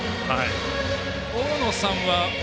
大野さんは。